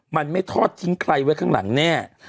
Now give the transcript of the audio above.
มันไม่ทอดทิ้งใครไว้ข้างหลังแน่